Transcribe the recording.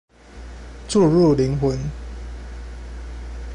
注入靈魂